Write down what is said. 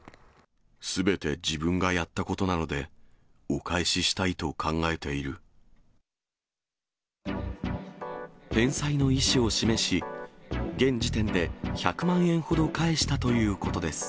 すべて自分がやったことなの返済の意思を示し、現時点で１００万円ほど返したということです。